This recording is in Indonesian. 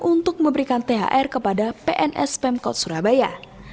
untuk memberikan thr kepada pns pemkot surabaya